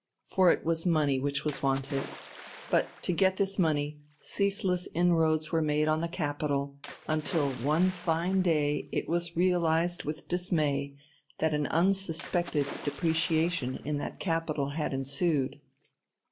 For it was money which was wanted. But to get this money, ceaseless inroads were made on the capital, until one fine day it was realised with dismay that an unsuspected depreciation in that capital had ensued.